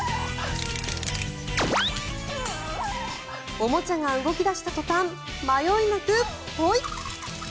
おもちゃが動き出した途端迷いなく、ポイ！